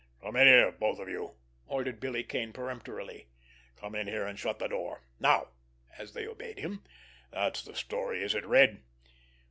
"Come in here, both of you!" ordered Billy Kane peremptorily. "Come in here, and shut that door! Now"—as they obeyed him—"that's the story, is it, Red?